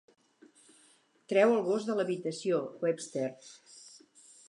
Treu el gos de l'habitació, Webster.